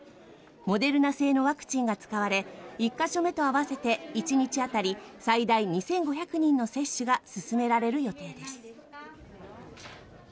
モデルナ製のワクチンが使われ１か所目と合わせて１日当たり最大２５００人の接種が進められる予定です。